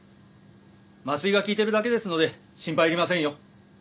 麻酔が効いてるだけですので心配いりませんよ。